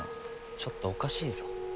ちょっとおかしいぞ。